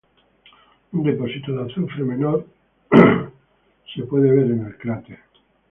Un depósito de azufre menor puede ser visto en el cráter.